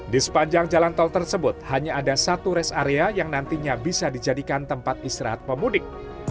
di sepanjang jalan tol tersebut hanya ada satu rest area yang nantinya bisa dijadikan tempat istirahat pemudik